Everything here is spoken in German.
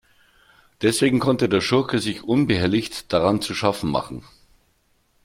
Deswegen konnte der Schurke sich unbehelligt daran zu schaffen machen.